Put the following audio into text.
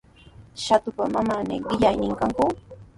Shatupa manami qillaynin kanku.